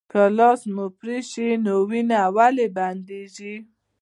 که لاس مو پرې شي نو وینه ولې بندیږي